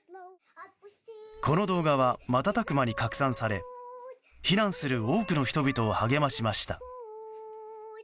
この動画は瞬く間に拡散され避難する多くの人々を励ましました。